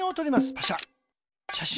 パシャ。